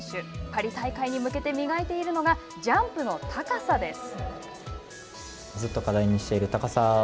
パリ大会に向けて磨いているのがジャンプの高さです。